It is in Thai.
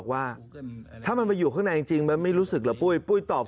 ว่าถ้ามันมาอยู่ข้างในจริงมันไม่รู้สึกเหรอปุ้ยปุ้ยตอบ